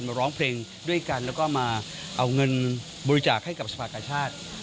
ร้องเพลงด้วยกันแล้วก็มาเอาเงินบริจาคให้กับสภากาชาติ